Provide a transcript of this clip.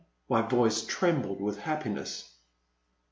My voice trembled with happiness.